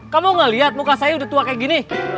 kamu gak lihat muka saya udah tua kayak gini